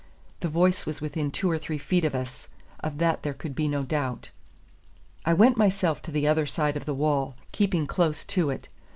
The voice was within two or three feet of us; of that there could be no doubt. I went myself to the other side of the wall, keeping close to it.